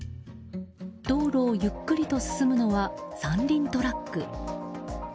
道路をゆっくりと進むのは三輪トラック。